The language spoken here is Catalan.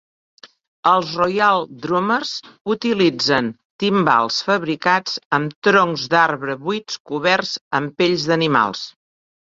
Els Royal Drummers utilitzen timbals fabricats amb troncs d'arbre buits coberts amb pells d'animals.